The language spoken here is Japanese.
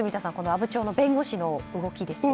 阿武町の弁護士の動き。